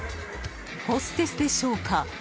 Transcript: ホステスでしょうか？